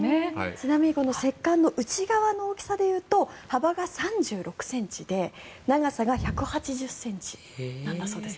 ちなみに石棺の内側の大きさでいうと幅が３６ｃｍで長さが１８０ｃｍなんだそうです。